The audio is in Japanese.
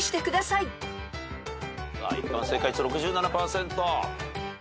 さあ一般正解率６７％。